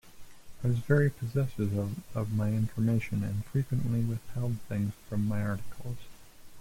I was very possessive of my information and frequently withheld things from my articles.